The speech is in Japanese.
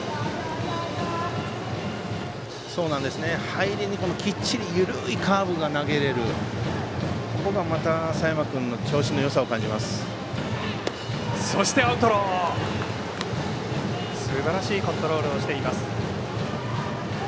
入りにきっちり緩いカーブが投げられる、ここが佐山君の調子のよさを感じます。